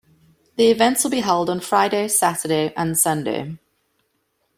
The events will be held on Friday, Saturday and Sunday.